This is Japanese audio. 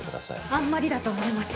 あんまりだと思います。